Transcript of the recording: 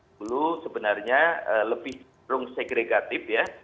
dulu sebenarnya lebih cenderung segregatif ya